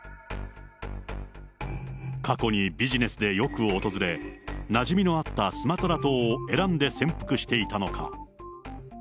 過去にビジネスでよく訪れ、なじみのあったスマトラ島を選んで潜伏していたのか。